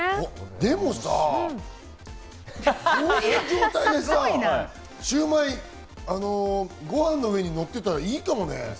でもさ、こういう状態でさ、シウマイがご飯の上にのってたらいいかもしれない。